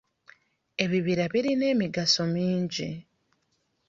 Ebibira birina emigaso mingi.